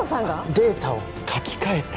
データを書き換えた？